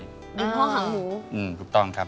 ดึงห้องหังหูอืมถูกต้องครับอ่าอ่าอืมถูกต้องครับ